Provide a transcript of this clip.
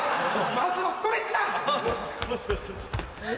まずはストレッチだ。